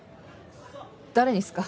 誰にっすか？